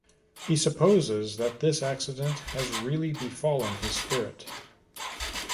He supposes that this accident has really befallen his spirit.